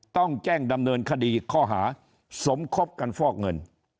ต้องแจ้งดำเนินคดีข้อหาสมคบกันฟอกเงิน